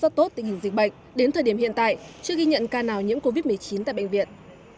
rất tốt tình hình dịch bệnh đến thời điểm hiện tại chưa ghi nhận ca nào nhiễm covid một mươi chín tại bệnh viện